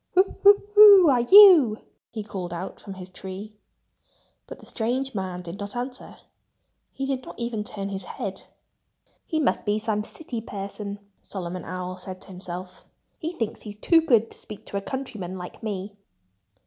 "Who who who are you?" he called out from his tree. But the strange man did not answer. He did not even turn his head. "He must be some city person," Solomon Owl said to himself. "He thinks he's too good to speak to a countryman like me."